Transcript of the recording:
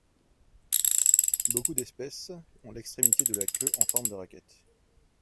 Beaucoup d'espèces ont l'extrémité de la queue en forme de raquette.